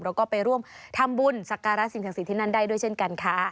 แล้วก็ไปร่วมทำบุญสักการะสิ่งศักดิ์ที่นั่นได้ด้วยเช่นกันค่ะ